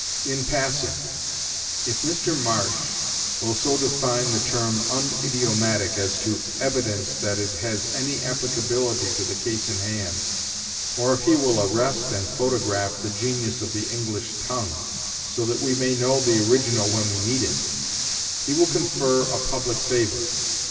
In passing, if Mr. Marsh will so define the term unidiomatic as to evince that it has any applicability to the case in hand, or if he will arrest and photograph 'the genius of the English tongue,' so that we may know the original when we meet with it, he will confer a public favor.